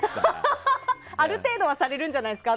ある程度はされるんじゃないですか？